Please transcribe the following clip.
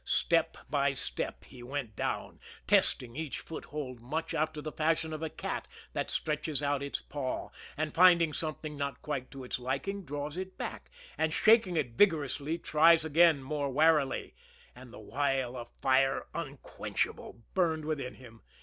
Step by step he went down, testing each foothold much after the fashion of a cat that stretches out its paw, and, finding something not quite to its liking, draws it back, and, shaking it vigorously, tries again more warily and the while a fire unquenchable burned within him.